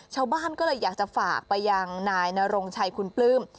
ชาวบ้านก็เลยอยากจะฝากไปยังนายนรงชัยคุณปลื้ม